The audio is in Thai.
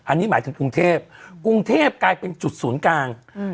อันนี้หมายถึงกรุงเทพกรุงเทพกลายเป็นจุดศูนย์กลางอืม